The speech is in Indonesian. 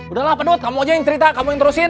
udahlah penuh kamu aja yang cerita kamu yang terusin